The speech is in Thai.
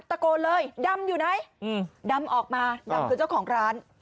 ตะโกนเลยดำอยู่ไหนดำออกมาดำคือเจ้าของร้าน